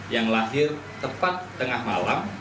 yang lahir tepat tengah malam